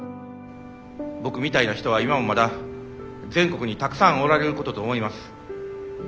僕みたいな人は今もまだ全国にたくさんおられることと思います。